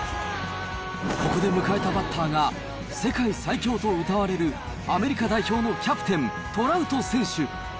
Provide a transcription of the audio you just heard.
ここで迎えたバッターが、世界最強とうたわれるアメリカ代表のキャプテン、トラウト選手。